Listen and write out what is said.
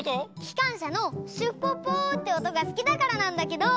きかんしゃのシュッポッポーっておとがすきだからなんだけど。